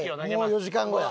もう４時間後や。